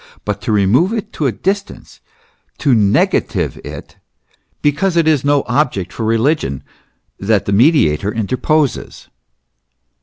but to remove it to a distance, to negative it, because it is no object for religion, that the Mediator interposes.